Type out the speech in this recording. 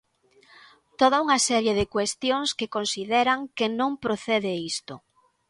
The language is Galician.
Toda unha serie de cuestións que consideran que non procede isto.